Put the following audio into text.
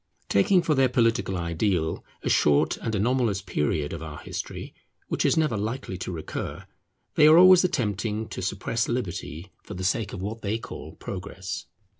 Taking for their political ideal a short and anomalous period of our history which is never likely to recur, they are always attempting to suppress liberty for the sake of what they call progress.